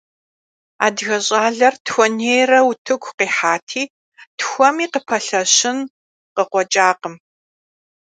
Адыгэ щӀалэр тхуэнейрэ утыку къихьати, тхуэми къыпэлъэщын къыкъуэкӀакъым.